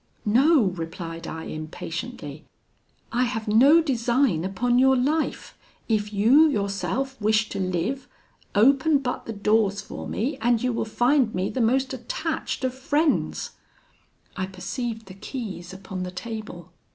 'No!' replied I, impatiently, 'I have no design upon your life, if you, yourself, wish to live; open but the doors for me, and you will find me the most attached of friends.' I perceived the keys upon the table.